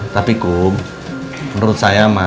tapi kom menurut saya ma